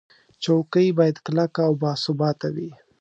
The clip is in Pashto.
چوکۍ باید کلکه او باثباته وي.